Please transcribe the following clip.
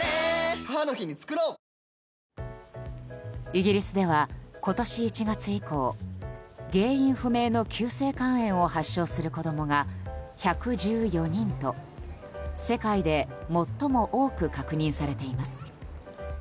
イギリスでは今年１月以降原因不明の急性肝炎を発症する子供が１１４人と、世界で最も多く確認されています。